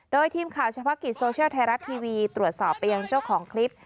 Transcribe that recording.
โดยทีมข่าวเฉพาะกิจโซเชียลไทยรัฐทีวีตรวจสอบไปยังเจ้าของคลิป